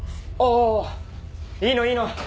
あいいのいいの。